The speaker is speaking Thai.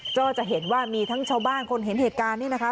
ก็จะเห็นว่ามีทั้งชาวบ้านคนเห็นเหตุการณ์นี่นะคะ